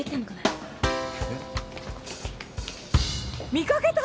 見かけた！？